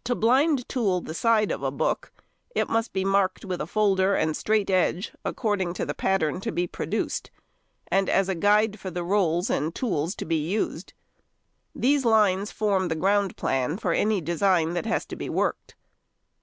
|125| To blind tool the side of a book it must be marked with a folder and straight edge, according to the pattern to be produced, and as a guide for the rolls and tools to be used. These lines form the ground plan for any design that has to be worked.